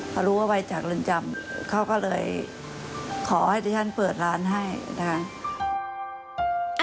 พอรู้ว่าไปจากเรือนจำเขาก็เลยขอให้ที่ฉันเปิดร้านให้นะคะ